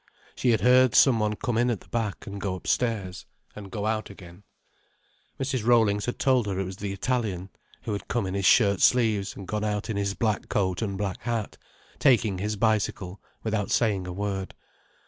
She had heard some one come in at the back, and go upstairs, and go out again. Mrs. Rollings had told her it was the Italian, who had come in in his shirt sleeves and gone out in his black coat and black hat, taking his bicycle, without saying a word.